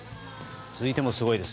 続いてもすごいです。